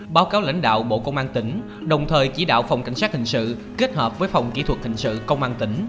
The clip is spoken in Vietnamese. báo cáo lãnh đạo bộ công an tỉnh đồng thời chỉ đạo phòng cảnh sát hình sự kết hợp với phòng kỹ thuật hình sự công an tỉnh